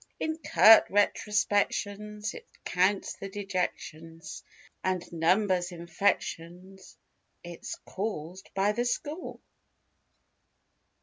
In curt retrospections it counts the dejections And numbers infections it's caused by the score.